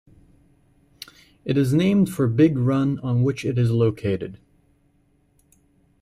It is named for Big Run on which it is located.